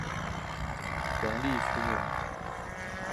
王秉鋆人。